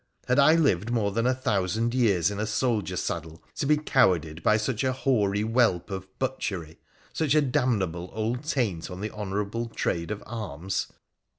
Had I lived more than a thousand years in a soldier saddle to be cowarded by such a hoary whelp of butchery — such a damnable old taint on the honourable trade of arms